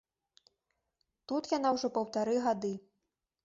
Тут яна ўжо паўтары гады.